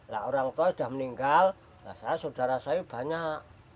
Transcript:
nah orang tua sudah meninggal nah saudara saya banyak